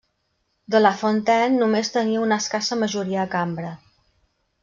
De la Fontaine només tenia una escassa majoria a Cambra.